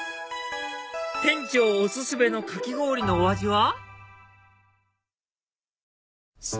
店長お薦めのかき氷のお味は？